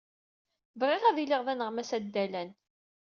Bɣiɣ ad iliɣ d aneɣmas addalan.